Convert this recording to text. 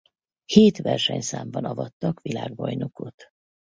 Hét versenyszámban avattak világbajnokot.